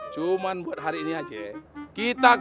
karena selama dikira